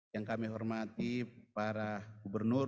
yang kami hormati para gubernur